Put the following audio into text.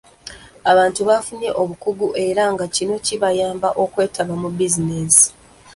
Abantu bafunye obukugu era nga kino kibayamba okwetaba mu bizinensi.